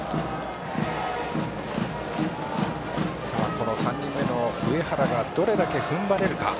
この３人目の上原がどれだけふんばれるか。